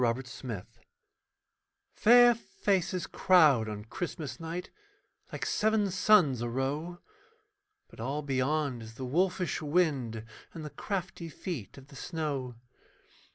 A PORTRAIT Fair faces crowd on Christmas night Like seven suns a row, But all beyond is the wolfish wind And the crafty feet of the snow.